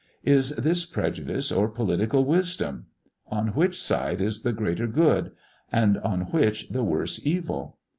Is this prejudice or political wisdom? On which side is the greater good and on which the worse evil?